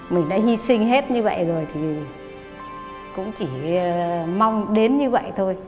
mình đã hy sinh hết như vậy rồi thì cũng chỉ mong đến như vậy thôi